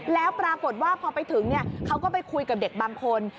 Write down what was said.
แล้วปรากฏว่าพอไปถึงเขาก็ไปคุยกับเด็กบางคน